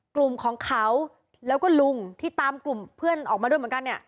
กลุ่มของเขาแล้วก็ลุงที่ตามกลุ่มเพื่อนออกมาด้วย